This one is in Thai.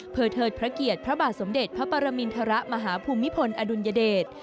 เพื่อเทิดพระเกียรติพระบาทสมเด็จพระปรมินทรมาฮภูมิพลอดุลยเดช